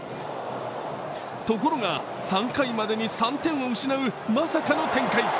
ところが３回までに３点を失うまさかの展開。